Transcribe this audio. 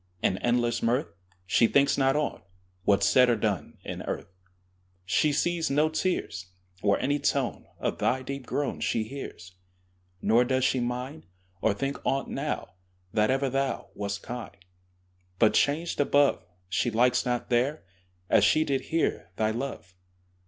In endless mirth, She thinks not on What's said or done In earth: She sees no tears, Or any tone Of thy deep groan She hears; Nor does she mind, Or think on't now, That ever thou Wast kind: But changed above, She likes not there, As she did here, Thy love.